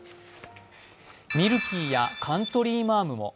ミルキーやカントリーマアムも。